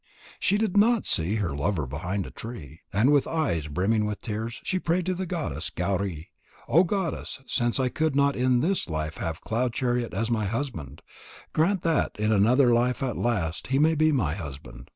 She did not see her lover behind a tree, and with eyes brimming with tears she prayed to the goddess Gauri: "O goddess, since I could not in this life have Cloud chariot as my husband, grant that in another life at last he may be my husband."